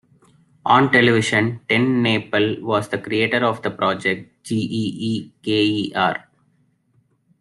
On television, TenNapel was the creator of the Project G.e.e.K.e.R.